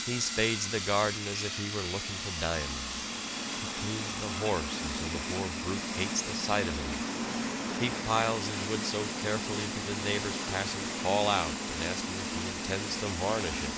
He spades the garden as if he were looking for diamonds. He cleans the horse until the poor brute hates the sight of him. He piles his wood so carefully that the neighbors passing call out and ask him if he "intends to varnish it."